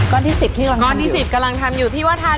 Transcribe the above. ก้อนที่๑๐กำลังทำอยู่ที่ว่าทัน